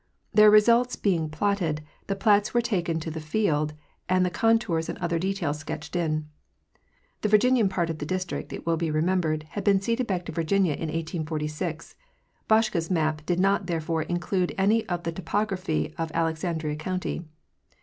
Their results being platted, the plats were taken to the field and the contours and other details sketched in. The Virginian part of the District, it will be remembered, had been ceded back to Virginia in 1846. Boschke's map did not, therefore, include any of the topography in Alexandria county.